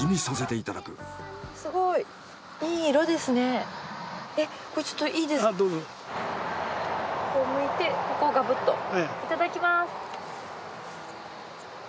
いただきます。